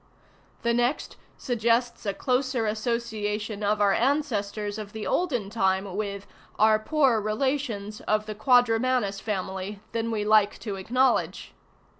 The next suggests a closer association of our ancestors of the olden time with "our poor relations" of the quadrumanous family than we like to acknowledge.